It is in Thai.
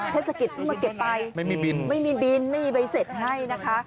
เทศกิตมาเก็บไปไม่มีบินไม่มีใบเสร็จให้นะคะ